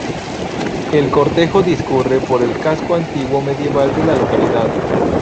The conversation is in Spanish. El cortejo discurre por el casco antiguo medieval de la localidad.